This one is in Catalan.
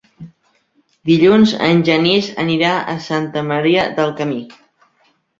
Dilluns en Genís anirà a Santa Maria del Camí.